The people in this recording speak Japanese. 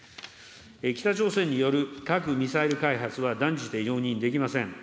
北朝鮮による核・ミサイル開発は断じて容認できません。